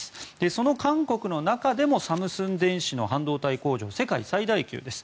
その韓国の中でもサムスン電子の半導体工場は世界最大級です。